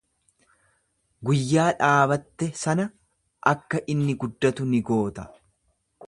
Guyyaa dhaabatte sana akka inni guddatu ni goota.